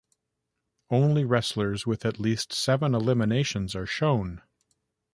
Only wrestlers with at least seven eliminations are shown.